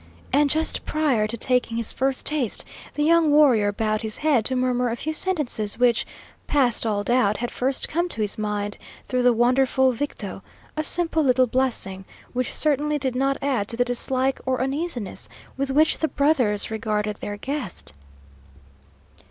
And just prior to taking his first taste, the young warrior bowed his head to murmur a few sentences which, past all doubt, had first come to his mind through the wonderful Victo: a simple little blessing, which certainly did not add to the dislike or uneasiness with which the brothers regarded their guest.